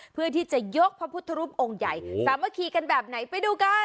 เพื่อที่จะยกพระพุทธรูปองค์ใหญ่สามัคคีกันแบบไหนไปดูกัน